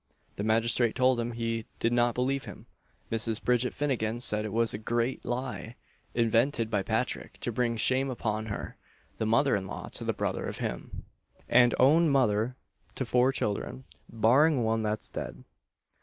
The magistrate told him he did not believe him. Mrs. Bridget Finnagen said it was a grate lie invented by Patrick to bring shame upon her the mother in law to the brother of him, and oun mother to four children barrin one that's dead.